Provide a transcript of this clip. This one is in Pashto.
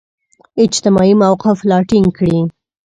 اجتماعي موقف لا ټینګ کړي.